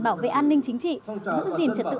bảo vệ an ninh chính trị giữ gìn trật tự